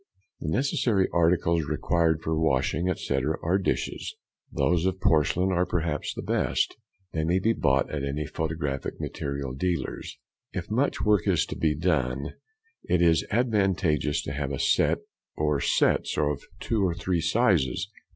_—The necessary articles required for washing, etc., are dishes. Those of porcelain are perhaps the best; they may be bought at any photographic material dealers. If much work is done, it is advantageous to have a set or sets of two or three sizes.